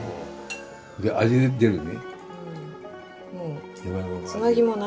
味が出るね。